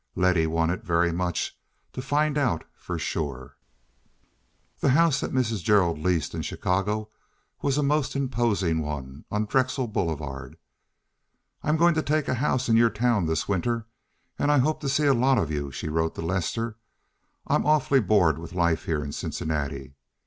Letty wanted very much to find out for sure. The house that Mrs. Gerald leased in Chicago was a most imposing one on Drexel Boulevard. "I'm going to take a house in your town this winter, and I hope to see a lot of you," she wrote to Lester. "I'm awfully bored with life here in Cincinnati.